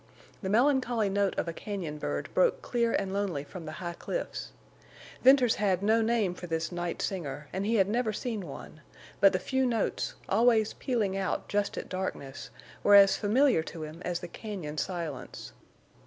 The melancholy note of a cañon bird broke clear and lonely from the high cliffs. Venters had no name for this night singer, and he had never seen one, but the few notes, always pealing out just at darkness, were as familiar to him as the cañon silence.